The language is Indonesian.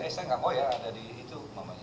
eh saya gak mau ya ada di itu